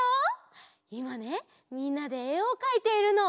いまねみんなでえをかいているの。